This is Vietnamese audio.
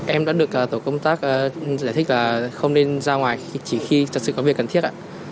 em đã được tổ công tác giải thích và không nên ra ngoài chỉ khi thật sự có việc cần thiết